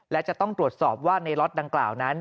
และจะต้องตรวจสอบว่าในล็อตดังกล่าวนั้น